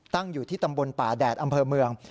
อยู่ที่ตำบลป่าแดดอำเภอเมือง